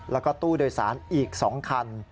แล้วก็ตู้โดยสารอีก๒คัน